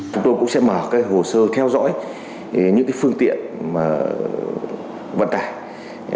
chúng tôi cũng sẽ mở hồ sơ theo dõi những phương tiện vận tải